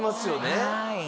はい。